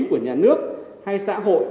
của nhà nước hay xã hội